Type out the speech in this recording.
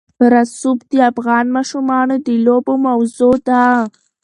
رسوب د افغان ماشومانو د لوبو موضوع ده.